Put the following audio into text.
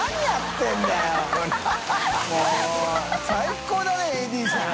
發最高だねＡＤさん。